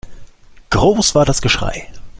Groß war das Geschrei.